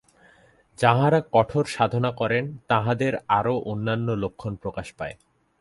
যাঁহারা কঠোর সাধনা করেন, তাঁহাদের আরও অন্যান্য লক্ষণ প্রকাশ পায়।